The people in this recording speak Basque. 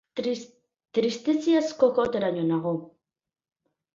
Tristeziaz kokoteraino nago.